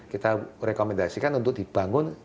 kita rekomendasikan untuk dibangun